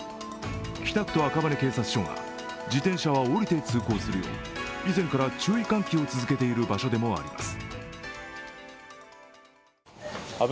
北区と赤羽警察署が自転車は降りて通行するように、以前から注意喚起を続けている場所でもあります。